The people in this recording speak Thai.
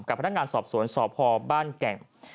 กับพนักงานสอบสวนสอบพ่อบ้านแก่ง